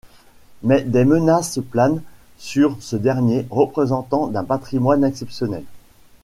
Mais des menaces planent sur ce dernier représentant d'un patrimoine exceptionnel.